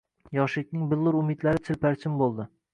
Yoshlikning billur umidlari chilparchin bo‘ldi.